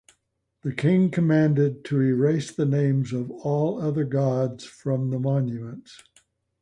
The king commanded to erase the names of all other gods from the monuments.